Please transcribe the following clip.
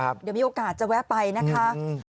เดี๋ยวมีโอกาสจะแวะไปนะคะ